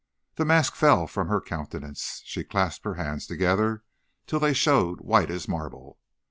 "The mask fell from her countenance. She clasped her hands together till they showed white as marble.